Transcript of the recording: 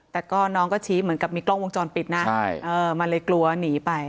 แต่ก็น้องก็ชี้เหมือนกับมีกล้องวงจรปิดนะมันเลยกลัวหนีไป